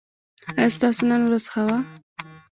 ایا ستاسو نن ورځ ښه وه؟